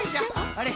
あれ？